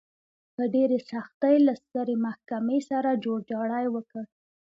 په ډېرې سختۍ له سترې محکمې سره جوړجاړی وکړ.